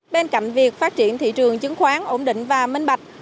bên cạnh việc phát triển thị trường chứng khoán ổn định và minh bạch